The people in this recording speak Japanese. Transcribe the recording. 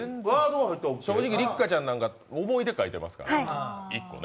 正直、六花ちゃんなんか思い出、書いてますからね。